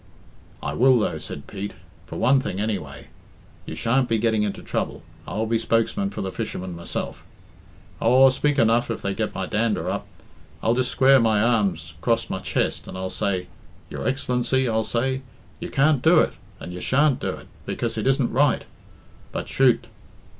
"I will, though," said Pete, "for one thing, anyway. You shan't be getting into trouble I'll be spokesman for the fishermen myself. Oh, I'll spake enough if they get my dander up. I'll just square my arms acrost my chest and I'll say, 'Your Excellency,' I'll say, 'you can't do it, and you shan't do it because it isn't right.' But chut!